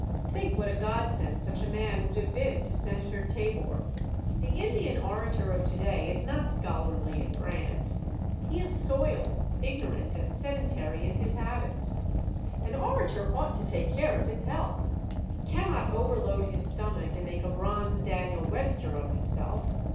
Think what a godsend such a man would have been to Senator Tabor. The Indian orator of to day is not scholarly and grand. He is soiled, ignorant and sedentary in his habits. An orator ought to take care of his health. He cannot overload his stomach and make a bronze Daniel Webster of himself.